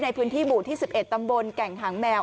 ในพื้นที่หมู่ที่๑๑ตำบลแก่งหางแมว